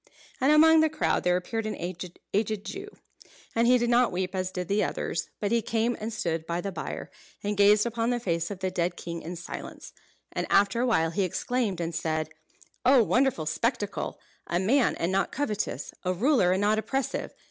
And among the crowd there appeared an aged Jew. And he did not weep as did the others; but he came and stood by the bier, and gazed upon the face of the dead king in silence. And after a while he exclaimed, and said: "Oh, wonderful spectacle! A man, and not covetous. A ruler, and not oppressive.